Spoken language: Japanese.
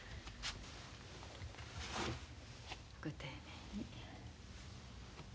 ご丁寧に。